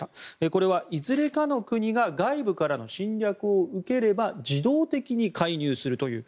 これはいずれかの国が外部からの侵略を受ければ自動的に介入するという。